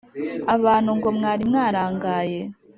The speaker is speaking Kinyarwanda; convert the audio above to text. abantu ngo mwari mwarangaye